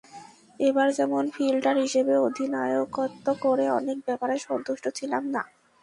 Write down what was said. এবার যেমন ফিল্ডার হিসেবে অধিনায়কত্ব করে অনেক ব্যাপারে সন্তুষ্ট ছিলাম না।